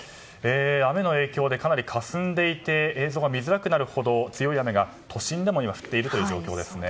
雨の影響でかなりかすんでいて映像が見づらくなるほど強い雨が都心でも今降っている状況です。